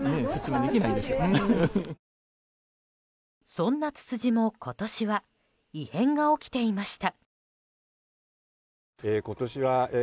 そんなツツジも今年は異変が起きていました。